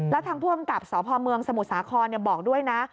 แล้วทางผู้อำกับสพเมืองสมุทรสาครบอกด้วยนะ